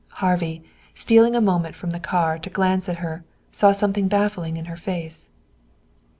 Harvey, stealing a moment from the car to glance at her, saw something baffling in her face.